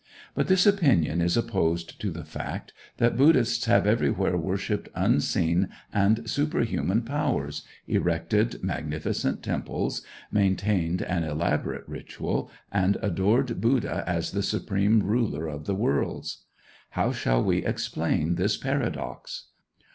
But this opinion is opposed to the fact that Buddhists have everywhere worshiped unseen and superhuman powers, erected magnificent temples, maintained an elaborate ritual, and adored Buddha as the supreme ruler of the worlds. How shall we explain this paradox?